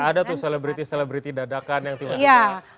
ada tuh selebriti selebriti dadakan yang tinggal disana